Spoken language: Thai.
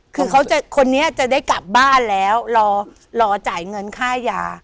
คือเขาจะคนนี้จะได้กลับบ้านแล้วรอจ่ายเงินค่ายา